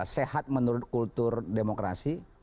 sehat menurut kultur demokrasi